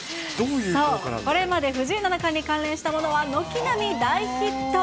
これまで藤井七冠に関連したものは、軒並み大ヒット。